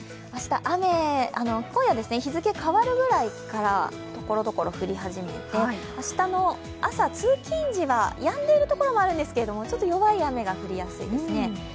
明日雨、今夜日付変わるぐらいからところどころ降り始めて明日の朝、通勤時はやんでる所もあるんですけどちょっと弱い雨が降りやすいですね。